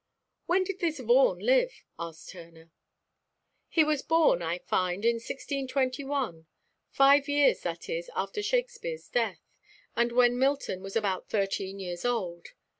"When did this Vaughan live?" asked Turner. "He was born, I find, in 1621 five years, that is, after Shakspere's death, and when Milton was about thirteen years old.